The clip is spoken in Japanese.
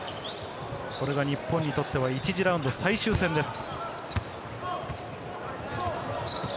日本にとっては１次ラウンド最終戦です。